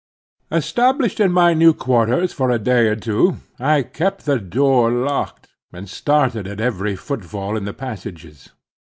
Established in my new quarters, for a day or two I kept the door locked, and started at every footfall in the passages.